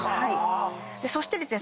そしてですね